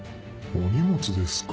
お荷物ですか。